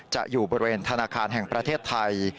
อยู่บริเวณธนาคารแห่งประเทศไทย